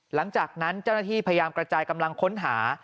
หลังจากนั้นเจ้าหน้าที่พยายามกระจายกำลังค้นหา